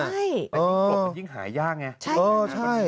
กลบมันยิ่งหายากเนี่ยใช่